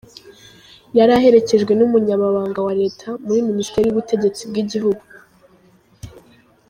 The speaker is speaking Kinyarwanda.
Yari aherekejwe n’umunyamabanga wa Leta muri Minisiteri y’ubutegetsi bw’igihugu,